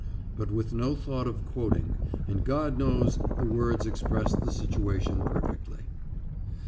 but with no thought of quoting, and God knows, the words expressed the situation perfectly.